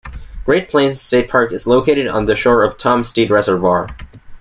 Great Plains State Park is located on the shore of Tom Steed Reservoir.